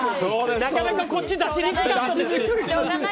なかなかこっち出しにくかった！